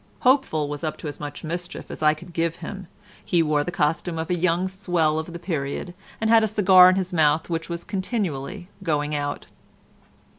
Hopeful was up to as much mischief as I could give him; he wore the costume of a young swell of the period, and had a cigar in his mouth which was continually going out.